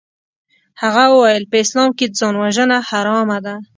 هغه وويل په اسلام کښې ځانوژنه حرامه ده.